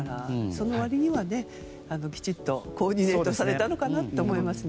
その割には、きちんとコーディネートされたのかなと思いますね。